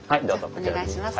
じゃお願いします。